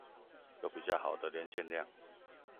有比較好的連線量